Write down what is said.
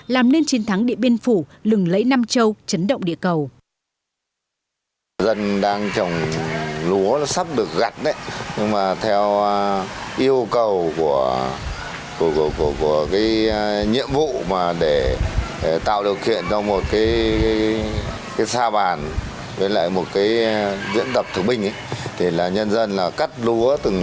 làm nên chiến thắng điện biên phủ lừng lấy nam châu chấn động địa cầu